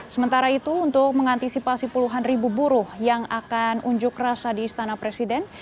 sementara itu untuk mengantisipasi puluhan ribu buruh yang akan unjuk rasa di istana presiden